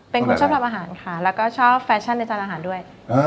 เป็นคนชอบทำอาหารค่ะแล้วก็ชอบแฟชั่นในจานอาหารด้วย